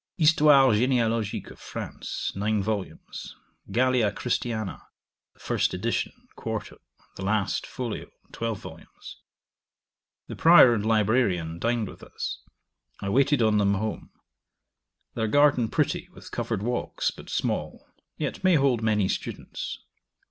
Histoire Généalogique of France, 9 vol. Gallia Christiana, the first edition, 4to. the last, f. 12 vol. The Prior and Librarian dined [with us]: I waited on them home. Their garden pretty, with covered walks, but small; yet may hold many students.